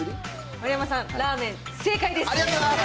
丸山さん、ラーメン、正解です。